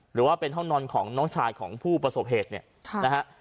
หรือว่าเป็นห้องนอนของน้องชายของผู้ประสบเหตุเนี่ยนะฮะ